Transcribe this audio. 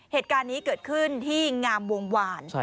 เหตุการณ์นี้เกิดขึ้นที่งามวงวาน